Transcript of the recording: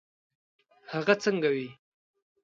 هغه څنګه وي.